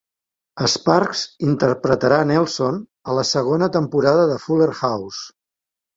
Sparks interpretarà Nelson a la segona temporada de "Fuller House".